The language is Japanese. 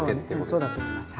そうだと思います。